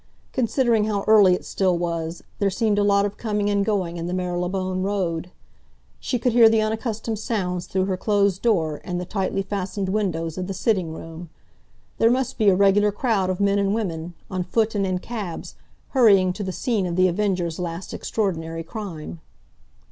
Considering how early it still was, there seemed a lot of coming and going in the Marylebone Road. She could hear the unaccustomed sounds through her closed door and the tightly fastened windows of the sitting room. There must be a regular crowd of men and women, on foot and in cabs, hurrying to the scene of The Avenger's last extraordinary crime.